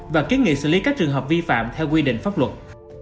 và kiến nghị xử lý các trường hợp vi phạm theo quy định pháp luật